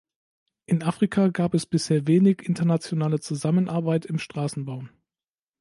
In Afrika gab es bisher wenig internationale Zusammenarbeit im Straßenbau.